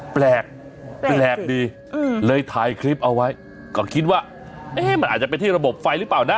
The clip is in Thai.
แปลกแปลกดีเลยถ่ายคลิปเอาไว้ก็คิดว่าเอ๊ะมันอาจจะเป็นที่ระบบไฟหรือเปล่านะ